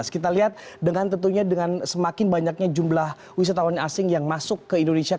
kita lihat dengan tentunya dengan semakin banyaknya jumlah wisatawan asing yang masuk ke indonesia